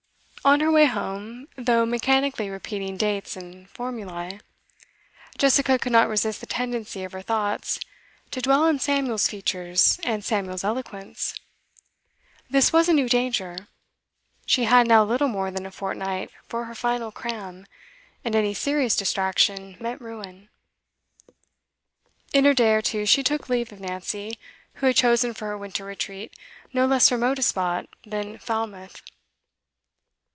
On her way home, though mechanically repeating dates and formulae, Jessica could not resist the tendency of her thoughts, to dwell on Samuel's features and Samuel's eloquence. This was a new danger; she had now little more than a fortnight for her final 'cram,' and any serious distraction meant ruin. In a day or two she took leave of Nancy, who had chosen for her winter retreat no less remote a spot than Falmouth.